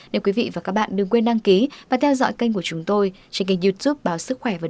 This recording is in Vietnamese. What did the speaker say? nếu quý vị và các bạn đừng quên đăng ký và theo dõi kênh của chúng tôi trên kênh youtube báo sức khỏe và đồng hành